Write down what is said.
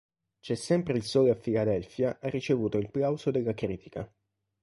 C'è sempre il sole a Philadelphia ha ricevuto il plauso della critica.